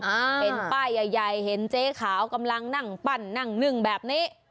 เห็นป้ายใหญ่ใหญ่เห็นเจ๊ขาวกำลังนั่งปั้นนั่งนึ่งแบบนี้